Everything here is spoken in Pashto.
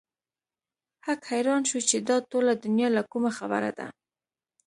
هک حيران شو چې دا ټوله دنيا له کومه خبره ده.